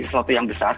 suatu yang besar